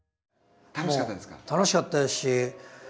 楽しかったですか？